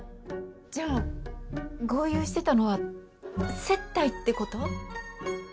じゃあ豪遊してたのは接待って事？